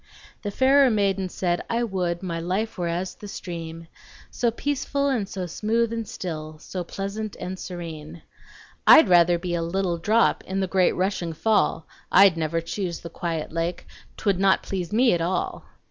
The fairer maiden said, "I would My life were as the stream; So peaceful, and so smooth and still, So pleasant and serene." "I'd rather be a little drop In the great rushing fall; I'd never choose the quiet lake; 'T would not please me at all."